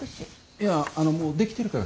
いやあのもう出来てるから。